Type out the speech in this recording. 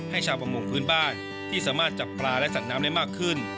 ชาวประมงพื้นบ้านที่สามารถจับปลาและสัตว์น้ำได้มากขึ้น